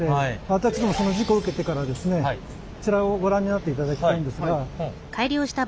私どもその事故を受けてからですねこちらをご覧になっていただきたいんですが。